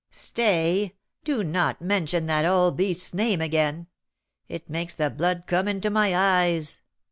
"Stay, do not mention that old beast's name again, it makes the blood come into my eyes!